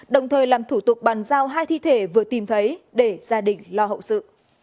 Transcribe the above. đồng thời làm thủ tục bàn giao hai thi thể vừa tìm thấy để gia đình lo hậu sự